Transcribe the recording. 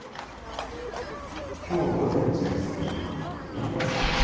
きょう午前１０時過ぎ三浦市三崎